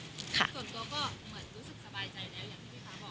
ส่วนตัวก็เหมือนรู้สึกสบายใจแล้วอย่างที่พี่ฟ้าบอก